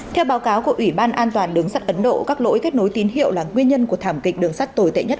theo báo cáo của ủy ban an toàn đường sắt ấn độ các lỗi kết nối tín hiệu là nguyên nhân của thảm kịch đường sắt tồi tệ nhất